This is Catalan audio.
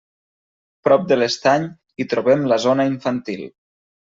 Prop de l'estany hi trobem la zona infantil.